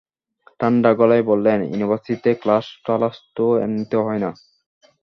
ঠাণ্ডা গলায় বললেন, ইউনিভার্সিটিতে ক্লাস-টলাস তো এমনিতেও হয় না।